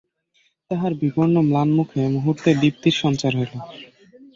তাহার বিবর্ণ ম্লান মুখে মুহূর্তেই দীপ্তির সঞ্চার হইল।